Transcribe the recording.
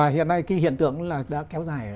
hiện nay hiện tượng đã kéo dài